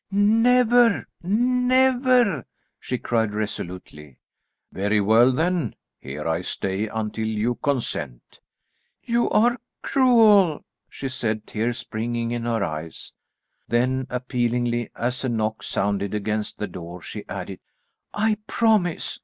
"Never, never," she cried resolutely. "Very well then; here I stay until you consent." "You are cruel," she said, tears springing in her eyes. Then appealingly, as a knock sounded against the door, she added, "I promise.